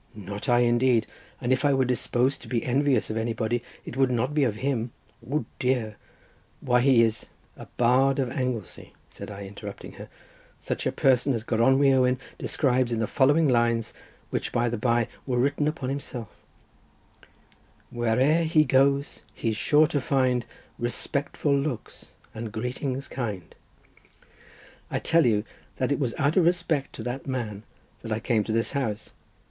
not I indeed; and if I were disposed to be envious of anybody it would not be of him; O dear, why he is—" "A bard of Anglesey," said I, interrupting her, "such a person as Gronwy Owen describes in the following lines, which by the bye were written upon himself:— "'Where'er he goes he's sure to find Respectful looks and greetings kind.' "I tell you that it was out of respect to that man that I came to this house.